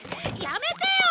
やめてよ！